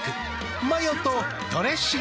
マヨとドレッシングで。